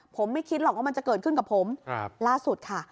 ผมไม่คิดหรอกว่ามันจะเกิดขึ้นกับผมล่าสุดค่ะ